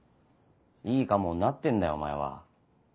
いいカモになってんだよお前は。